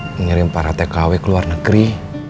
mengirim para tkw ke luar negeri